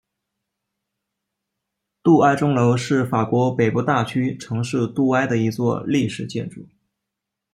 杜埃钟楼是法国北部大区城市杜埃的一座历史建筑。